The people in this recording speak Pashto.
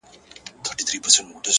هره پرېکړه د راتلونکي لور ټاکي،